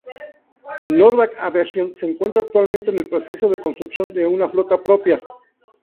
Nordic Aviation se encuentra actualmente en el proceso de construcción de una flota propia.